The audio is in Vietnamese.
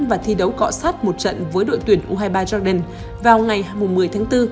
và thi đấu cọ sát một trận với đội tuyển u hai mươi ba jordan vào ngày một mươi tháng bốn